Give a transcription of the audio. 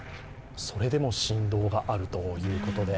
それでも振動があるということで。